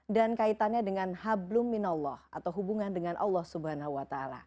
dan kaitannya dengan hablum minallah atau hubungan dengan allah swt